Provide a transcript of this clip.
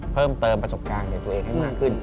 เพิ่มเติมประสบการณ์ในตัวเองให้มากขึ้น